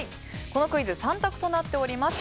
このクイズ３択となっております。